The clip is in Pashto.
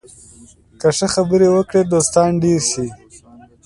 که ښه خبرې وکړې، دوستان ډېر شي